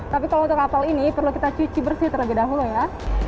tapi kalau untuk kapal ini perlu kita cuci bersih terlebih dahulu ya